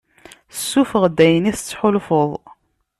Ssuffeɣ-d ayen i tettḥulfuḍ.